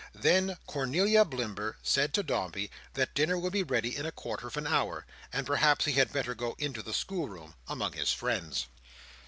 Then Cornelia Blimber said to Dombey that dinner would be ready in a quarter of an hour, and perhaps he had better go into the schoolroom among his "friends."